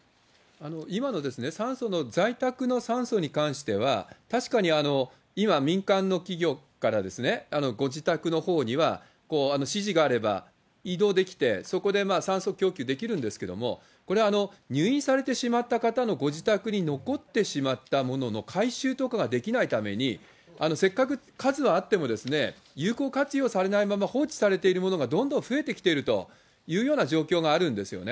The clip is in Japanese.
今の酸素の在宅の酸素に関しては、確かに今民間の企業からご自宅のほうには、指示があれば移動できて、そこで酸素供給できるんですけども、入院されてしまった方のご自宅に残ってしまったものの回収とかができないために、せっかく数はあってもですね、有効活用されないまま、放置されているものがどんどん増えてきているというような状況があるんですよね。